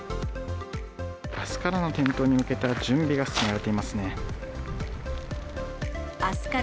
あすからの点灯に向けた準備が進められていますね。